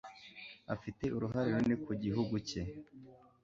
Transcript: Afite uruhare runini ku gihugu cye.